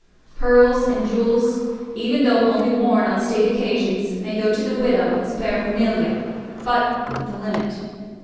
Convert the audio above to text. Pearls and jewels, even though only worn on state occasions, may go to the widow as paraphernalia, but with a limit.